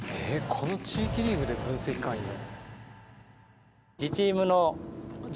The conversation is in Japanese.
この地域リーグで分析官いるの？